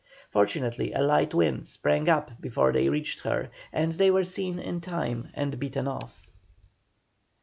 Fortunately a light wind sprang up before they reached her, and they were seen in time and beaten off.